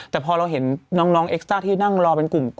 แต่พอเราเห็นน้องเอ็กซ์ต้าที่นั่งรอเป็นกลุ่ม